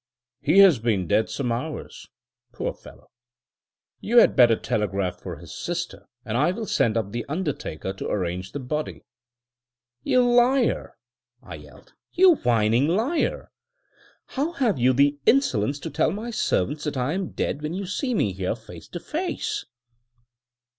"He has been dead some hours. Poor fellow! You had better telegraph for his sister, and I will send up the undertaker to arrange the body." "You liar!" I yelled. "You whining liar! How have you the insolence to tell my servants that I am dead, when you see me here face to face?"